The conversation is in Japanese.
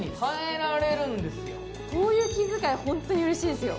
こういう気遣い、本当にうれしいですよ。